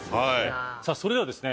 それではですね